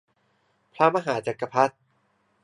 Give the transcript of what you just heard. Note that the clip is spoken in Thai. พระมหาจักรพรรดิ